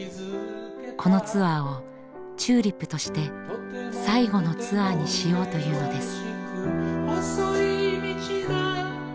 このツアーをＴＵＬＩＰとして最後のツアーにしようというのです。